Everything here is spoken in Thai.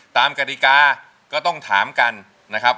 ตามกระดิกาก็ต้องถามกันนะครับ